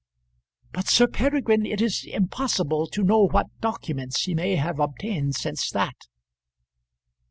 "But, Sir Peregrine, it is impossible to know what documents he may have obtained since that."